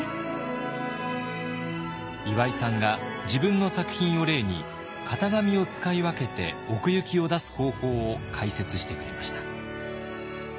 岩井さんが自分の作品を例に型紙を使い分けて奥行きを出す方法を解説してくれました。